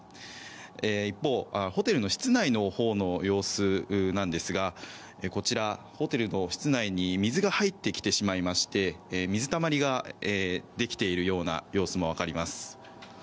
一方、ホテルの室内のほうの様子なんですがこちら、ホテルの室内に水が入ってきてしまいまして水たまりができているような様子もわかります。